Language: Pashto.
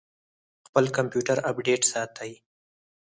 خپل کمپیوټر اپډیټ ساتئ؟